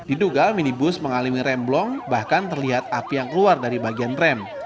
diduga minibus mengalami remblong bahkan terlihat api yang keluar dari bagian rem